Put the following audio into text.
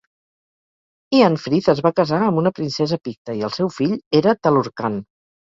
Eanfrith es va casar amb una princesa picta, i el seu fill era Talorcan.